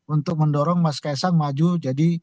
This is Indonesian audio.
untuk mendorong mas kaisang maju jadi